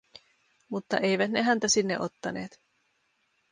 Mutta eivät ne häntä sinne ottaneet.